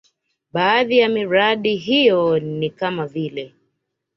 Baadhi ya miradi hiyo ni kama vile